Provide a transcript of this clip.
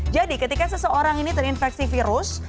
jadi ketika seseorang ini terinfeksi virus